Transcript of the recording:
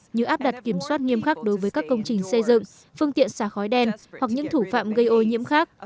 như áp đặt kiểm soát nghiêm khắc đối với các công trình xây dựng phương tiện xả khói đen hoặc những thủ phạm gây ô nhiễm khác